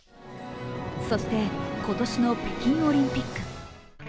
そして今年の北京オリンピック。